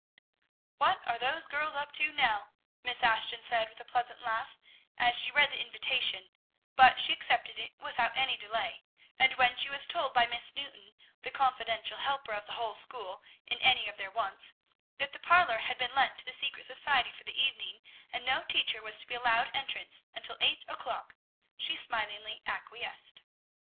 "_ "What are those girls up to now?" Miss Ashton said with a pleasant laugh, as she read the invitation, but she accepted it without any delay, and when she was told by Miss Newton, the confidential helper of the whole school in any of their wants, that the parlor had been lent to the secret society for the evening, and no teacher was to be allowed entrance until eight o'clock, she smilingly acquiesced.